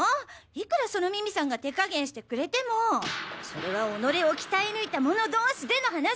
いくらそのミミさんが手加減してくれてもそれはおのれを鍛え抜いた者同士での話！